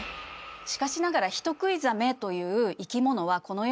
しかしながら人喰いザメという生き物はこの世に存在しません。